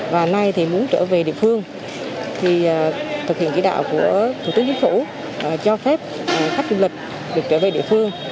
và nay thì muốn trở về địa phương thì thực hiện kỹ đạo của thủ tướng dân sủ cho phép khách du lịch được trở về địa phương